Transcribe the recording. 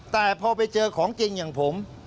แต่พอไปเจอของจริงอย่างผม